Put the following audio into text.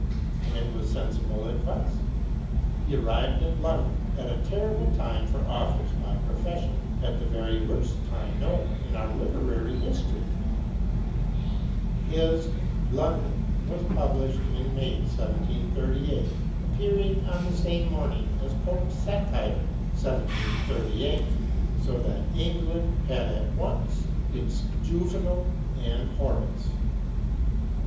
And it was sensible advice. He arrived in London at a terrible time for authors^ by profession — at the very worst time known in our literary history* His " London " was published in May 1738, appearing on the same morning as Pope's satire "1738," "so that England had at once its Juvenal and Horace."